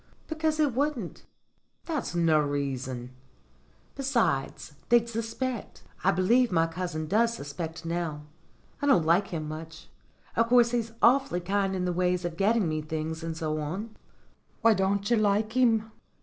"Because it wouldn't." "That's no reason." "Besides, they'd suspect. I believe my cousin does suspect now. I don't like him much. Of course, he's awfully kind in the ways of getting me things, and so on." "Why don't you like him?"